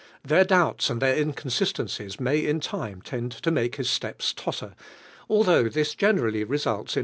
Their doubts and their in rniisistencies may in time tend to make his steps totter, although this generally results In